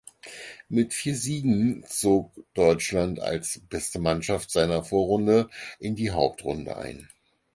Mit vier Siegen zog Deutschland als beste Mannschaft seiner Vorrunde in die Hauptrunde ein.